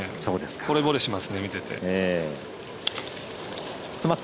ほれぼれしますね、見てて。